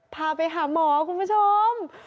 พาไปหาหมอคุณผู้ชม